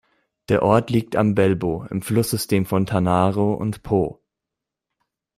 Der Ort liegt am Belbo im Fluss-System von Tanaro und Po.